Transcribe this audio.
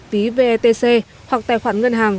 ví vetc hoặc tài khoản ngân hàng